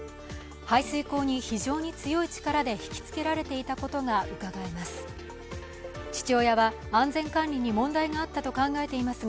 排水口に、非常に強い力で引きつけられていたことがうかがえます。